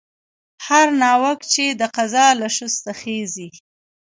هر ناوک چې د قضا له شسته خېژي.